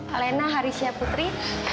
alena harisya putri